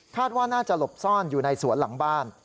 ว่าน่าจะหลบซ่อนอยู่ในสวนหลังบ้าน